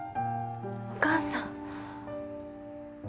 お母さん。